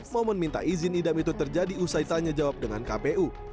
momen minta izin idam itu terjadi usai tanya jawab dengan kpu